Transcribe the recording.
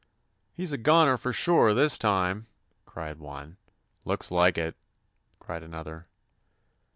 *'He 's a goner for sure, this time," cried one. "Looks like it," cried an other.